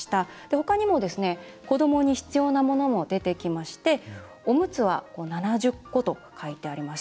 他にも、子どもに必要なものも出てきましておむつは７０個と書いてあります。